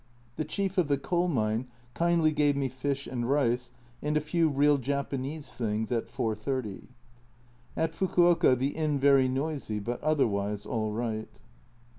The chief of the coal mine kindly gave me fish and rice and a few real Japanese things at 4.30. At Fukuoka the inn very noisy, but otherwise all right.